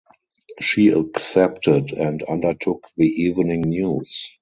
She accepted and undertook the evening news.